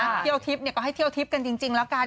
เที่ยวทิพย์เนี่ยก็ให้เที่ยวทิพย์กันจริงแล้วกัน